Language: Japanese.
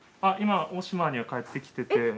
今大島に帰ってきてて。